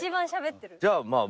じゃあまあ